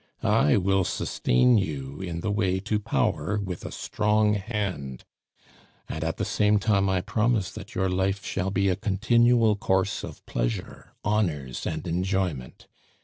I will sustain you in the way to power with a strong hand; and at the same time I promise that your life shall be a continual course of pleasure, honors, and enjoyment.